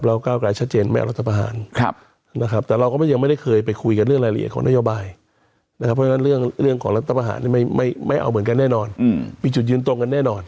ก้าวกลายชัดเจนไม่เอารัฐประหารนะครับแต่เราก็ยังไม่ได้เคยไปคุยกันเรื่องรายละเอียดของนโยบายนะครับเพราะฉะนั้นเรื่องของรัฐประหารไม่เอาเหมือนกันแน่นอนมีจุดยืนตรงกันแน่นอน